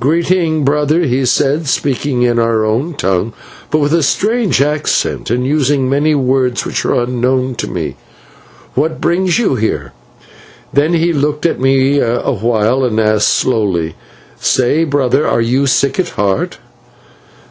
"'Greeting, brother,' he said, speaking in our own tongue, but with a strange accent, and using many words which are unknown to me, 'What brings you here?' "Then he looked at me awhile, and asked slowly: "'Say, brother, are you sick at heart?'